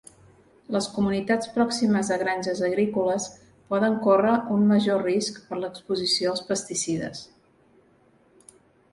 Les comunitats pròximes a granges agrícoles poden córrer un major risc per l'exposició als pesticides.